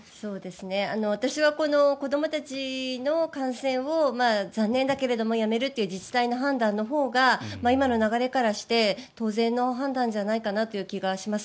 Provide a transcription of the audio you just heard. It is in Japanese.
私はこの子どもたちの観戦を残念だけどもやめるという自治体の判断のほうが今の流れからして当然の判断じゃないかなという気がします。